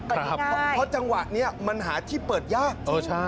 เพราะจังหวะนี้มันหาที่เปิดยาก